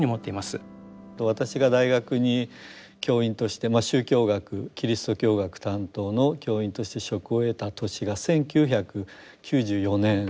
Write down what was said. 私が大学に教員として宗教学キリスト教学担当の教員として職を得た年が１９９４年でした。